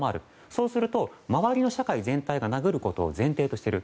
そうすると、周りの社会全体が殴ることを前提としている。